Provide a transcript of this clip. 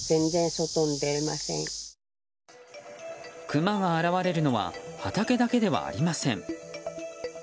クマが現れるのは畑だけではありません。